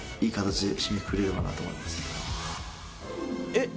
えっ？